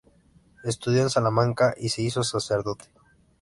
Estudió en Salamanca y se hizo sacerdote.